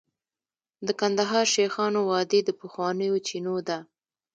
د کندهار شیخانو وادي د پخوانیو چینو ده